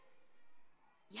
や